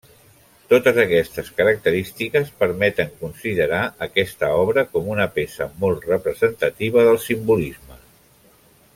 Totes aquestes característiques permeten considerar aquesta obra com una peça molt representativa del simbolisme.